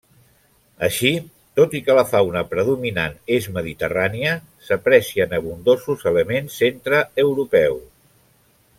Així, tot i que la fauna predominant és mediterrània, s'aprecien abundosos elements centreeuropeus.